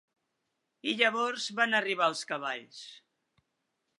I llavors van arribar els cavalls.